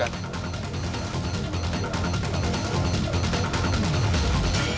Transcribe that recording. jadi lo boy yang udah mukulin temen gue